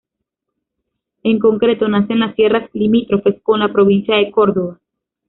En concreto nace en las sierras limítrofes con la provincia de Córdoba.